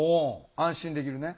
安心できるね。